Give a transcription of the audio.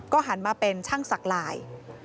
หันมาเป็นช่างสักลาย